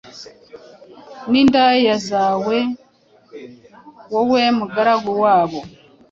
Ni indaya zawe, wowe mugaragu wabo